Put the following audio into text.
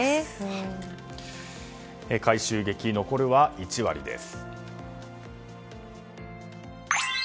回収劇、残るは１割です。